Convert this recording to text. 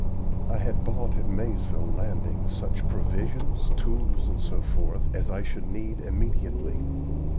I had bought at Maizeville Landing such provisions, tools, etc., as I should need immediately.